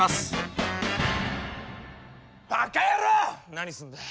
何すんだよ？